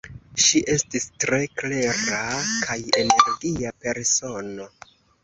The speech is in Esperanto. Ŝi estis tre klera kaj energia persono.